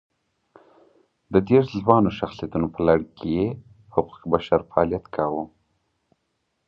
د دېرش ځوانو شخصیتونو په لړ کې یې حقوق بشر فعالیت کاوه.